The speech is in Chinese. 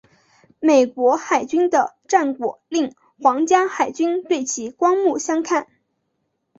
美国海军的战果令皇家海军对其刮目相看。